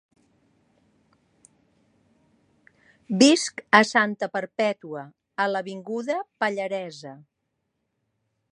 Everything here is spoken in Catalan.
Visc a Santa Perpètua, a l'avinguda Pallaresa.